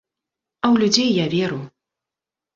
А ў людзей я веру.